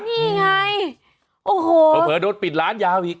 นี่ไงโอ้โหเผลอโดนปิดร้านยาวอีก